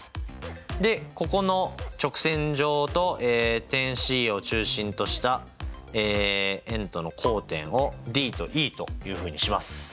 でここの直線上と点Ｃを中心とした円との交点をＤとＥというふうにします。